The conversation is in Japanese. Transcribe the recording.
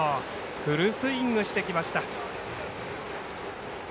フルスイングしてきました。